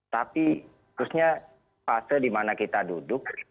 tapi terusnya fase di mana kita duduk